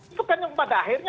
itu kan yang pada akhirnya